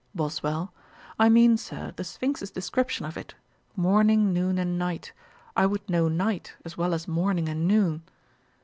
BOSWELL. 'I mean, Sir, the Sphinx's description of it; morning, noon, and night. I would know night, as well as morning and noon.'